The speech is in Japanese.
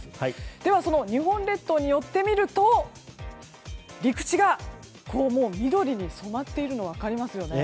では、日本列島に寄ってみると陸地がもう緑に染まっているのが分かりますよね。